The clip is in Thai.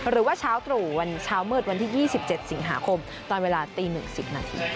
หรือว่าเช้าตรู่วันเช้ามืดวันที่๒๗สิงหาคมตอนเวลาตี๑๐นาที